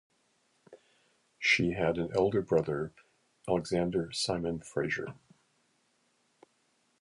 She had an elder brother, Alexander Simon Fraser.